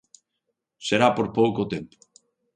Será por pouco tempo.